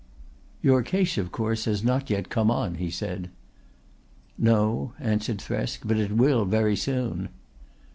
"Your case, of course, has not yet come on," he said. "No," answered Thresk, "but it will very soon."